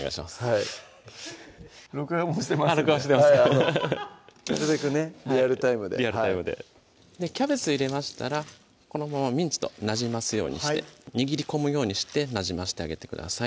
はい録画もしてますんで録画してますかなるべくねリアルタイムでリアルタイムでキャベツ入れましたらこのままミンチとなじますようにして握り込むようにしてなじましてあげてください